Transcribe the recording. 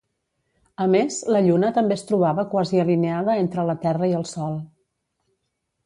A més, la Lluna també es trobava quasi alineada entre la Terra i el Sol.